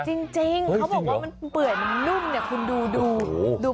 จริงเค้าบอกว่าเปลื่อมันนุ่มอะคุณดู